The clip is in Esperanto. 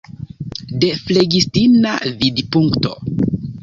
De flegistina vidpunkto.